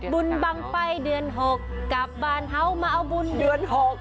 บุญบังไปเดือน๖กลับบ้านเฮ้ามาเอาบุญเดือน๖